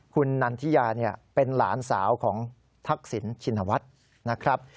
คุณนันทิยาเป็นหลานสาวของทักษิณชินวัฒน์นะครับ